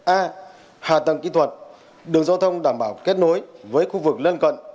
a hạ tầng kỹ thuật đường giao thông đảm bảo kết nối với khu vực lân cận